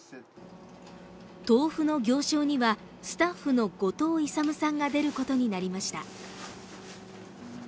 豆腐の行商にはスタッフの後藤勇さんが出ることになりました。